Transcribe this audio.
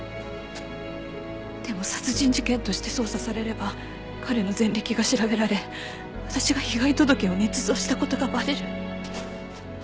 でも殺人事件として捜査されれば彼の前歴が調べられ私が被害届を捏造した事がバレる。